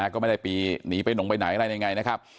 ก็ไม่ได้ปีหนีไปหลงไปไหนอะไรยังไงนะครับ